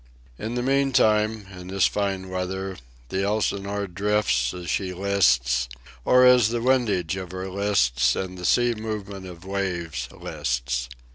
In the meantime, in this fine weather, the Elsinore drifts as she lists, or as the windage of her lists and the sea movement of waves lists.